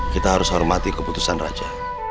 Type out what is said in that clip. kita harus hormati keputusan raja